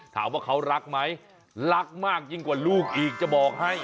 ถามว่าเขารักไหมรักมากยิ่งกว่าลูกอีกจะบอกให้